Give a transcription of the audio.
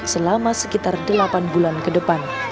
selama sekitar delapan bulan ke depan